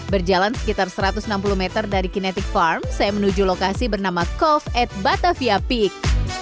berjalan sekitar satu ratus enam puluh meter dari kinetic farm saya menuju lokasi bernama coff at batavia peak